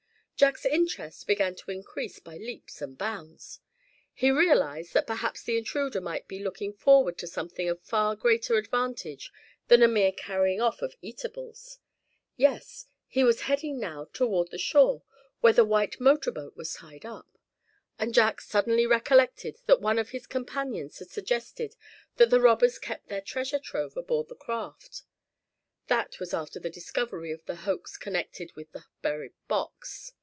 Jack's interest began to increase by leaps and bounds. He realized that perhaps the intruder might be looking forward to something of far greater advantage than a mere carrying off of eatables. Yes, he was heading now toward the shore where the white motor boat was tied up! And Jack suddenly recollected that one of his companions had suggested that the robbers kept their treasure trove aboard the craft. That was after the discovery of the hoax connected with the buried box.